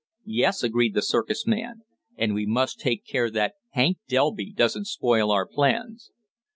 "Yes," agreed the circus man, "and we must take care that Hank Delby doesn't spoil our plans."